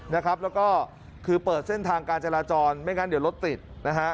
แล้วก็เปิดเส้นทางกาจจราจรไม่อย่างนั้นเดี๋ยวรถติดนะฮะ